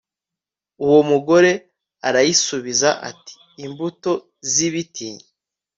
uwo mugore arayisubiza ati imbuto z ibiti